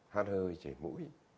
hát hơi chảy mũi